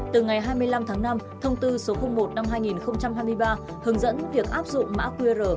từ ngày hai mươi năm tháng năm thông tư số một năm hai nghìn hai mươi ba hướng dẫn việc áp dụng mã qr